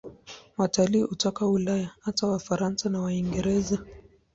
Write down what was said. Watalii hutoka Ulaya, hasa Wafaransa na Waingereza.